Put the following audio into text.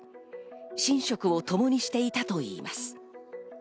寝食をともにしていたといいます。